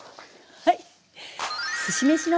はい。